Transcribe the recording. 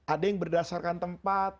ada yang berdasarkan tempat